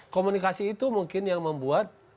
komunikasi itu mungkin yang membuat